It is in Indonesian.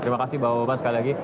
terima kasih bapak bapak sekali lagi